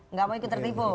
nggak mau ikut tertipu